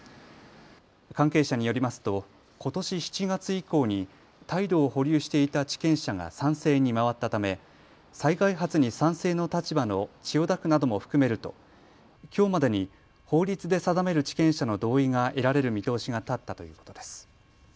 関係者によりますとことし７月以降に態度を保留していた地権者が賛成に回ったため再開発に賛成の立場の千代田区なども含めるときょうまでに法律で定める地権者の同意が得られる見通しが立ったということです。